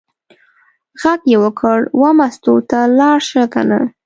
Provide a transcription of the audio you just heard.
غږ یې وکړ: وه مستو ته لاړه شه کنه.